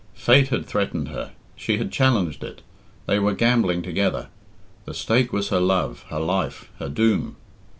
Fate had threatened her. She had challenged it. They were gambling together. The stake was her love, her life, her doom.